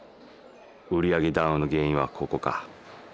売り上げダウンの原因はここか。